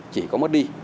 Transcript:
chỉ có mất đi